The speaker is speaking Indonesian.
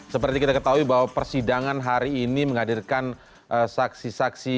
seperti kita ketahui bahwa persidangan hari ini menghadirkan saksi saksi